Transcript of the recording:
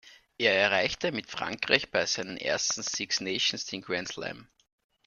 Er erreichte mit Frankreich bei seinen ersten Six Nations den Grand Slam.